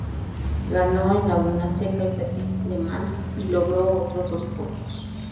Ganó en Laguna Seca y Petit Le Mans, y logró otros dos podios.